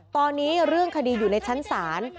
ตอนนี้เรื่องคดีอยู่ในชั้นศาล